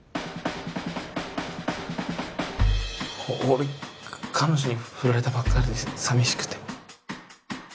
俺彼女にふられたばっかりでさみしくて。